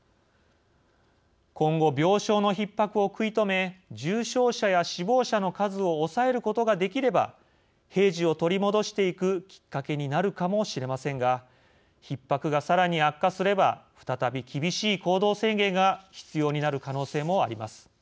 今後病床のひっ迫を食い止め重症者や死亡者の数を抑えることができれば平時を取り戻していくきっかけになるかもしれませんがひっ迫がさらに悪化すれば再び厳しい行動制限が必要になる可能性もあります。